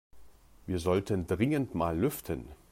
Wir sollten dringend mal lüften.